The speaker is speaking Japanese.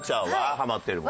ハマってるもの。